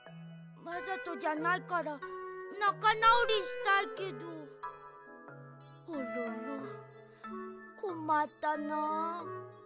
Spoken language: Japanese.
わざとじゃないからなかなおりしたいけどホロロこまったなあ。